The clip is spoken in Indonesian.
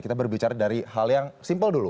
kita berbicara dari hal yang simpel dulu